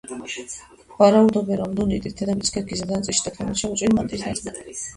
ვარაუდობენ, რომ დუნიტი დედამიწის ქერქის ზედა ნაწილში ტექტონიკურად შემოჭრილი მანტიის ნაწილია.